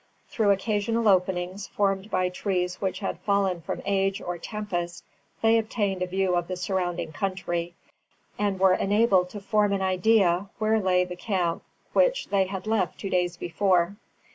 Through occasional openings, formed by trees which had fallen from age or tempest, they obtained a view of the surrounding country, and were enabled to form an idea where lay the camp which they had left two days before.